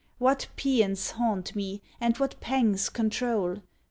What paeans haunt me and what pangs control